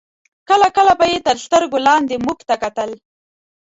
کله کله به یې تر سترګو لاندې موږ ته کتل.